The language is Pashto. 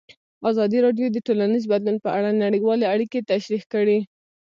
ازادي راډیو د ټولنیز بدلون په اړه نړیوالې اړیکې تشریح کړي.